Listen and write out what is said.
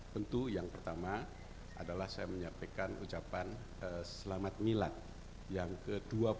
tentu yang pertama adalah saya menyampaikan ucapan selamat milad yang ke dua puluh satu